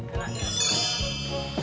yuk yuk yuk